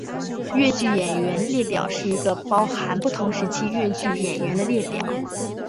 越剧演员列表是一个包含不同时期越剧演员的列表。